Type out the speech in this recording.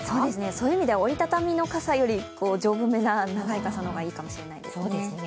そういう意味では折り畳みの傘より丈夫めな長い傘の方がいいかもしれませんね。